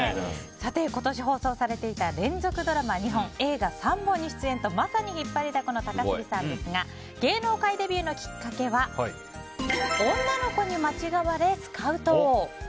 今年放送されていた連続ドラマ２本映画３本に出演とまさに引っ張りだこの高杉さんですが芸能界デビューのきっかけは女の子に間違われスカウト。